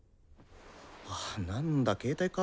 あなんだ携帯か。